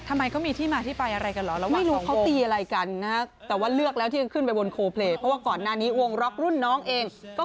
ทำไมก็มีที่มาที่ไปอะไรกันเหรอระหว่างสองวง